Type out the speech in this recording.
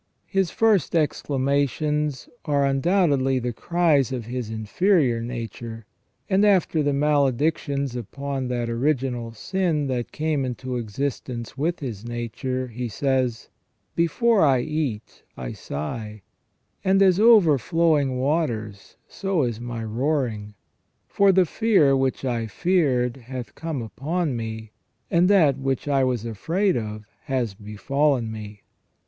His first exclamations are undoubtedly the cries of his inferior nature, and after the maledictions upon that original sin that came into existence with his nature, he says :" Before I eat, I sigh : and as overflowing waters, so is my roaring. For the fear which I feared hath come upon me : and that which I was afraid of has befallen me.